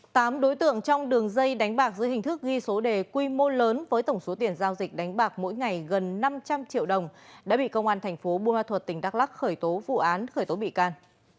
tám đối tượng trong đường dây đánh bạc dưới hình thức ghi số đề quy mô lớn với tổng số tiền giao dịch đánh bạc mỗi ngày gần năm trăm linh triệu đồng đã bị công an thành phố bùa ma thuật tỉnh đắk lắc khởi tố vụ án khởi tố bị can